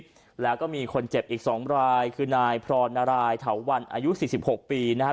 ชีวิตแล้วก็มีคนเจ็บอีกสองรายคือนายพรณรายเถาวันอายุสี่สิบหกปีนะฮะ